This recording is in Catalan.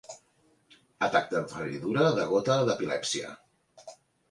Atac de feridura, de gota, d'epilèpsia.